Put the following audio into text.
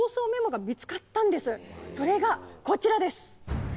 それがこちらです。